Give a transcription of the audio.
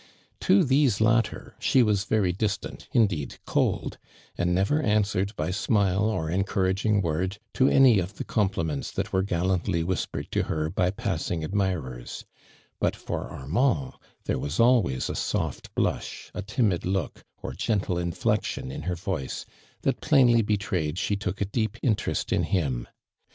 To these latter, she was veiy distant, indeed cold, and nev«'r ans wered by smile, or encouraging word, to any of the compliments that were gallantly whispered to her, by passing admirers ; but for Armand, there was always a soft blush, a timid look, or gentle inflexion in hoi voice, that plainly betrayed she took a dec]) interest ia him.